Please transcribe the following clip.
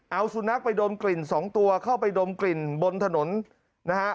เอาสุนัขไปดมกลิ่นสองตัวเข้าไปดมกลิ่นบนถนนนะฮะ